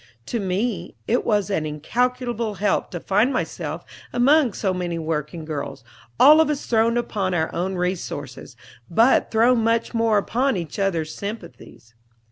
To me, it was an incalculable help to find myself among so many working girls, all of us thrown upon our own resources, but thrown much more upon each others' sympathies.